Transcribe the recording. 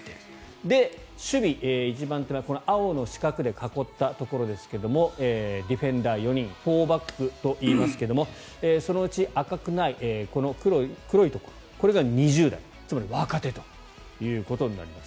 守備、一番手前青の四角で囲ったところですがディフェンダー４人４バックといいますがそのうち赤くない黒いところこれが２０代、つまり若手ということになります。